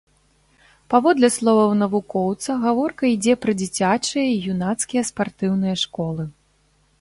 Паводле словаў навукоўца, гаворка ідзе пра дзіцячыя і юнацкія спартыўныя школы.